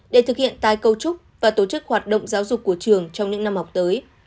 để thực hiện tài câu trúc và tổ chức hoạt động giáo dục của trường trong những năm học tới